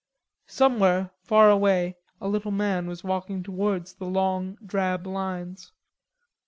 Somewhere far away a little man was walking towards the long drab lines.